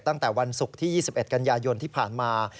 ตั้งแต่วันศุกร์ที่๒๑กันยายนที่ผ่านมา